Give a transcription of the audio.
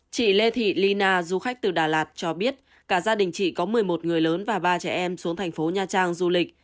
chị lê thị ly na du khách từ đà lạt cho biết cả gia đình chị có một mươi một người lớn và ba trẻ em xuống thành phố nha trang du lịch